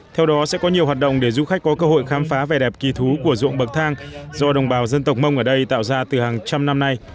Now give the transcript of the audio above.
theo đó sẽ có nhiều hoạt động để du khách có cơ hội khám phá vẻ đẹp kỳ thú của ruộng bậc thang do đồng bào dân tộc mông ở đây tạo ra từ hàng trăm năm nay